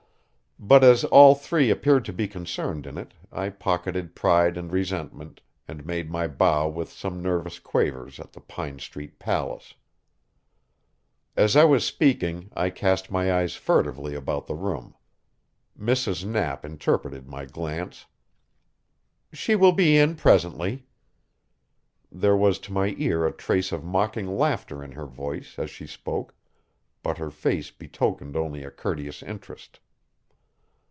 But as all three appeared to be concerned in it I pocketed pride and resentment, and made my bow with some nervous quavers at the Pine Street palace. As I was speaking I cast my eyes furtively about the room. Mrs. Knapp interpreted my glance. "She will be in presently." There was to my ear a trace of mocking laughter in her voice as she spoke, but her face betokened only a courteous interest.